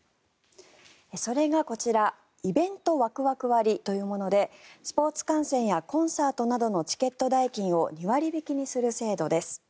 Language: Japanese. それがこちらイベントワクワク割というものでスポーツ観戦やコンサートなどのチケット代金を２割引きにする制度です。